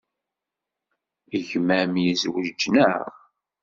Gma-m yezwej, naɣ?